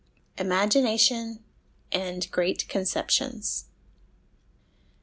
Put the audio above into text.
Imagination and Great Conceptions.